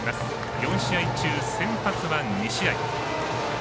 ４試合中先発は２試合。